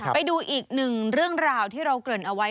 ไปดูอีกหนึ่งเรื่องราวที่เราเกริ่นเอาไว้